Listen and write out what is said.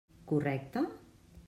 Correcte?